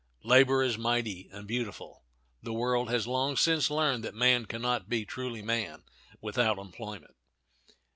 Labor is mighty and beautiful. The world has long since learned that man can not be truly man without employment.